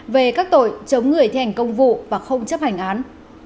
về các tội chống người thi hành công vụ và không chấp hành án